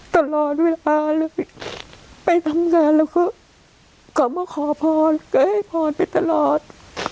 ตลอดเวลาเลยไปทำงานแล้วก็กลับมาขอพรก็ให้พรไปตลอด